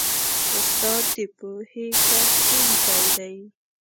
استاد د پوهې کښتونکی دی.